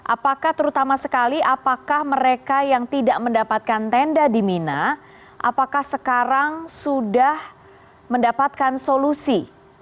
apakah terutama sekali apakah mereka yang tidak mendapatkan tenda di mina apakah sekarang sudah mendapatkan solusi